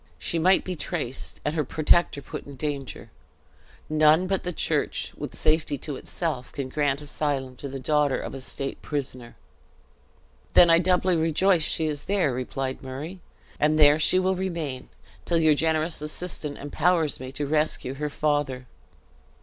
She might be traced, and her protector put in danger; none but the church, with safety to itself, can grant asylum to the daughter of a state prisoner." "Then I doubly rejoice she is there," replied Murray, "and there she will remain, till your generous assistance empowers me to rescue her father."